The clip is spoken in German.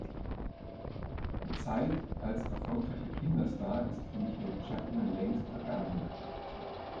Die Zeit als erfolgreicher Kinderstar ist für Michael Chapman längst Vergangenheit.